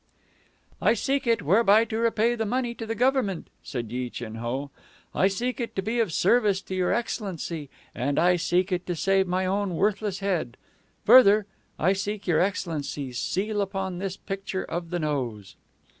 "I seek it whereby to repay the money to the government," said Yi Chin Ho. "I seek it to be of service to your excellency, and I seek it to save my own worthless head. Further, I seek your excellency's seal upon this picture of the nose."